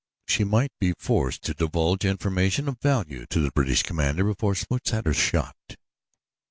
She might be forced to divulge information of value to the British commander before Smuts had her shot.